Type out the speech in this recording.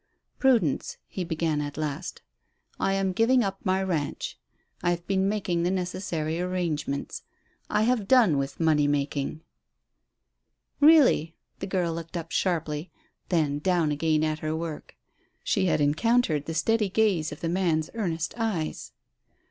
"Prudence," he began, at last, "I am giving up my ranch. I have been making the necessary arrangements. I have done with money making." "Really." The girl looked up sharply, then down again at her work. She had encountered the steady gaze of the man's earnest eyes.